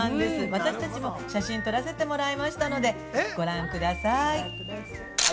私たちも、写真撮らせてもらいましたので、ご覧ください。